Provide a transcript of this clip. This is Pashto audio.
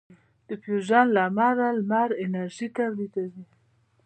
د فیوژن له امله لمر انرژي تولیدوي.